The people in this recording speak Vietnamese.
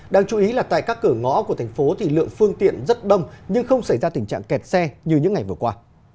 đáng chú ý là tại các cửa ngõ của thành phố thì lượng phương tiện rất đông nhưng không xảy ra tình trạng kẹt xe như những ngày vừa qua